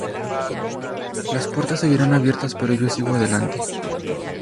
Las puertas seguirán abiertas, pero yo sigo adelante"".